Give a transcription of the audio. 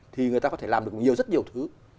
thì người ta có thể làm được nhiều rất nhiều thứ